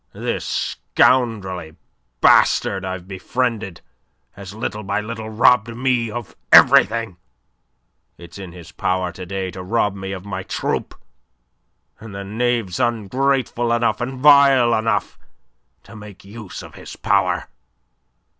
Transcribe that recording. This scoundrelly bastard I've befriended has little by little robbed me of everything. It's in his power to day to rob me of my troupe, and the knave's ungrateful enough and vile enough to make use of his power.